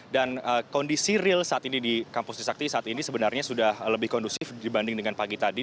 kondisi real saat ini di kampus trisakti saat ini sebenarnya sudah lebih kondusif dibanding dengan pagi tadi